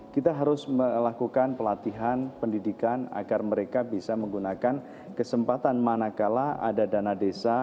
kita harus melakukan pelatihan pendidikan agar mereka bisa menggunakan kesempatan manakala ada dana desa